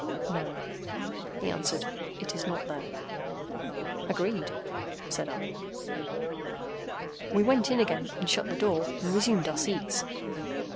"No," he answered. "It is not there." "Agreed," said I. We went in again, shut the door, and resumed our seats.